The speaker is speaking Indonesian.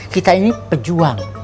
kita ini pejuang